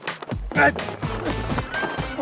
mau kemana kamu met